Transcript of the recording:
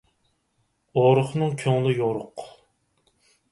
ئورۇقنىڭ كۆڭلى يورۇق.